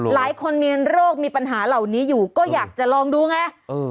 หลายคนมีโรคมีปัญหาเหล่านี้อยู่ก็อยากจะลองดูไง